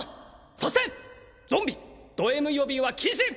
そしてゾンビドＭ呼びは禁止！